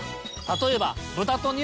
例えば。